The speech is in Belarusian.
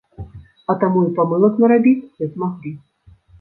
А таму і памылак нарабіць не змаглі.